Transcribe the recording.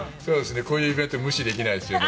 こういうイベント無視できないですよね。